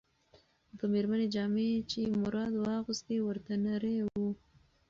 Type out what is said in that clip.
د مېرمنې جامې چې مراد واغوستې، ورته نرۍ وې.